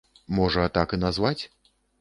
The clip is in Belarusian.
Можа, так і назваць?